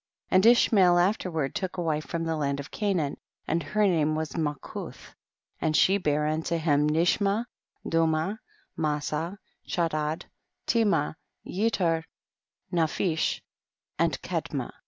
18. And Ishmael afterward took a wife from the land of Canaan, and her name was Malchuth, and she bare unto him Nishma, Dumah, Masa, Chadad, Tema, Yetur, Nap hish and Kedma.